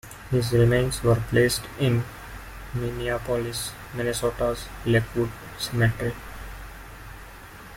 His remains were placed in Minneapolis, Minnesota's Lakewood Cemetery.